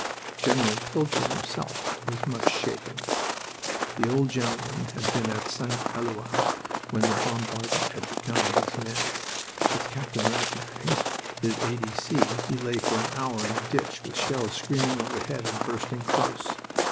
General Pilcher himself was much shaken. The old gentleman had been at St. Eloi when the bombardment had begun on his men. With Captain Rattnag his A. D. C. he lay for an hour in a ditch with shells screaming overhead and bursting close.